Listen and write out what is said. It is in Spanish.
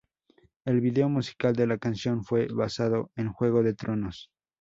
El vídeo musical de la canción fue basado en "Juego de Tronos".